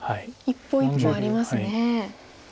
一歩一歩ありますね。